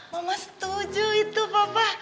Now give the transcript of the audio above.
wah mama setuju itu papa